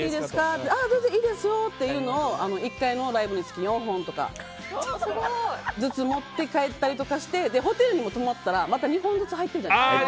ってどうぞいいですよ！っていうのを１回のライブにつき４本とか持って帰ったりしてホテルにも泊まったら２本ずつ入ってるじゃないですか。